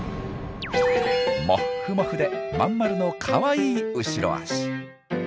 もっふもふで真ん丸のかわいい後ろ足。